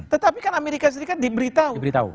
tetapi kan amerika serikat diberitahu